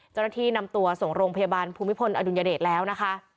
เจ้าหน้าที่นำตัวส่งโรงพยาบาลภูมิพลอดุลยเดชแล้วนะคะ